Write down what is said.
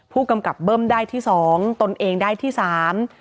ผู้กำกับเบิ้มได้ที่สองตนเองได้ที่สาม